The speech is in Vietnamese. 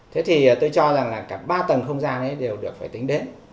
thế thì tôi cho rằng là cả ba tầng không gian ấy đều được phải tính đến